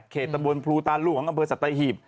เขตบนพลูตานรุ่งของอำเภอสัตว์ไต้หีบ